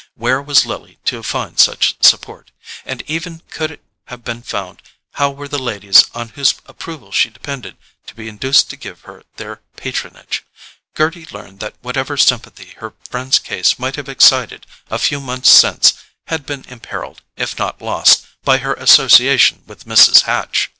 Where was Lily to find such support? And even could it have been found, how were the ladies on whose approval she depended to be induced to give her their patronage? Gerty learned that whatever sympathy her friend's case might have excited a few months since had been imperilled, if not lost, by her association with Mrs. Hatch.